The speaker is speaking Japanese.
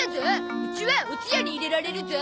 うちはおつやに入れられるゾ。